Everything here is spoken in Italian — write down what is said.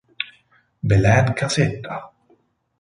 Belén Casetta